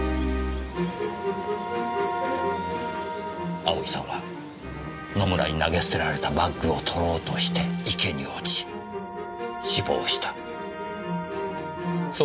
葵さんは野村に投げ捨てられたバッグを取ろうとして池に落ち死亡したそうは考えられませんか。